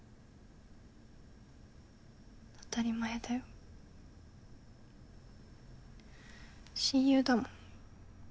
当たり前だよ親友だもん。